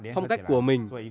phong cách của mình